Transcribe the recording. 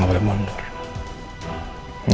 ya sudah biasanya deep core weakness